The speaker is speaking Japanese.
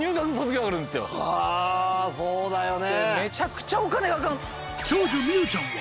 あそうだよね。